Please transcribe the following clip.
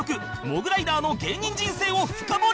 モグライダーの芸人人生を深掘り